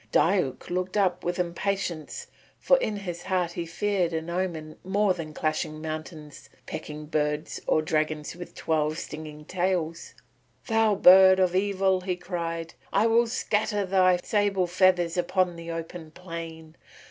Diuk looked up with impatience, for in his heart he feared an omen more than clashing mountains, pecking birds, or dragons with twelve stinging tails. "Thou bird of evil," he cried, "I will scatter thy sable feathers upon the open plain.